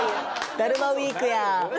だるまウィークや！